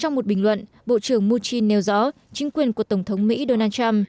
trong một bình luận bộ trưởng mutin nêu rõ chính quyền của tổng thống mỹ donald trump